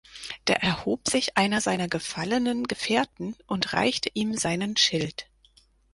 Da erhob sich einer seiner gefallenen Gefährten und reichte ihm seinen Schild.